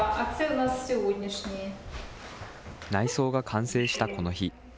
内装が完成したこの日。